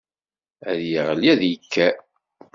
Ad yeɣli ad yekker.